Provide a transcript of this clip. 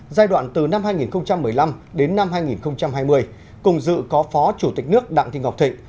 giai đoạn từ năm hai nghìn một mươi năm đến năm hai nghìn hai mươi cùng dự có phó chủ tịch nước đặng thị ngọc thịnh